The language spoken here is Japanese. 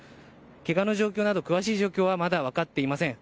けがの状況など詳しい状況はまだ分かっていません。